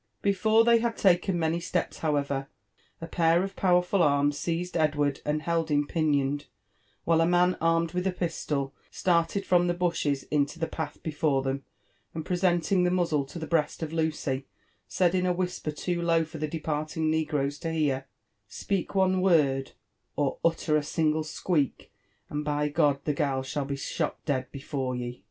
. Before they had tdken many steps, however/ a pair of powerful arms seized Edward atfd held him pinioned ; while a man armed with a pistol stAfted from the bushes ipto the path before them, and pre* senting the muzzle to the breast of Lucy, said in a whisper too low for thedepartfng negroes to hear, —*' Speak one word, or utter a single I^Oeak,^ dnd by G — d Ihbgal shall be shot dead b^(ore ye